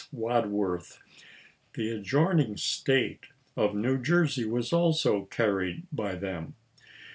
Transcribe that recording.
Wads worth ; the adjoining State of New Jersey was also carried by them.